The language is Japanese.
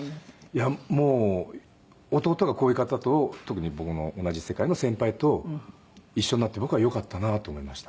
いやもう弟がこういう方と特に僕の同じ世界の先輩と一緒になって僕はよかったなと思いました。